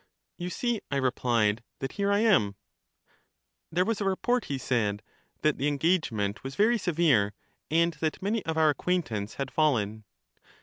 You see, I replied, that here I am. There was a report, he said, that the engagement was very severe, and that many of our acquaintance had fallen.